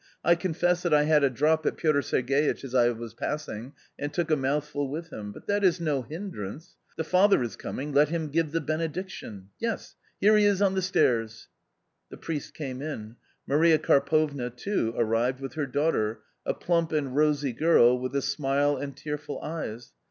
I confess that I had a drop at Piotr Sergeitch's as I was passing and took a mouthful with him. But that is no hindrance. The father is comipg ; let him give the benediction. Yes, here he is on the stairs !" The priest came in. Maria Karpovna, too, arrived with her daughter, a plump and rosy girl, with a smile and tearful eyes.